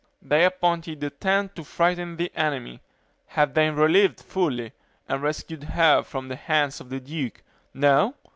they appointed the ten to frighten the enemy. Have they relieved Furli, and rescued her from the hands of the duke? No!